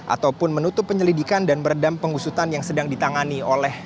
ataupun menutup penyelidikan dan meredam pengusutan yang sedang ditangani oleh